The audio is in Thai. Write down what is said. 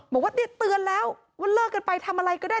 บอกว่าเนี่ยเตือนแล้วว่าเลิกกันไปทำอะไรก็ได้